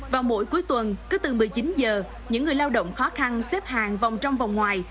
vào mỗi cuối tuần cứ từ một mươi chín giờ những người lao động khó khăn xếp hàng vòng trong vòng ngoài